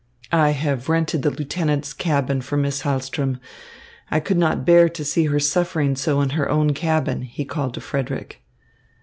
"I have rented the lieutenant's cabin for Miss Hahlström. I could not bear to see her suffering so in her own cabin," he called to Frederick.